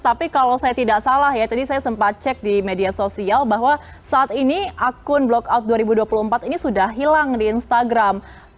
tapi kalau saya tidak salah ya tadi saya sempat cek di media sosial bahwa saat ini akun blok out dua ribu dua puluh empat ini sudah hilang di instagram